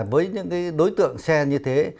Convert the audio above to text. với những cái đối tượng xe như thế